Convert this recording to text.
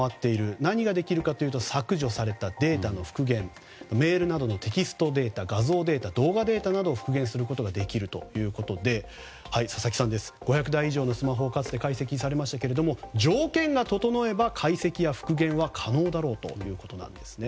何ができるかというと削除されたデータの復元メールなどのテキストデータ画像データ、動画データなどを復元することができるということで佐々木さんは５００台以上のスマホをかつて解析されましたが条件が整えば解析や復元は可能だろうということなんですね。